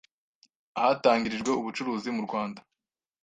ahatangirijwe ubucuruzi mu Rwanda